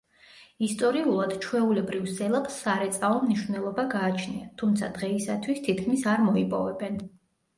ისტორიულად ჩვეულებრივ სელაპს სარეწაო მნიშვნელობა გააჩნია, თუმცა დღეისათვის თითქმის არ მოიპოვებენ.